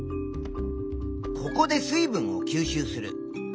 ここで水分を吸収する。